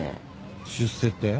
出世って？